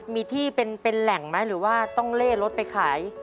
มีที่เป็นแหล่งไหมหรือว่าต้องเล่รถไปขาย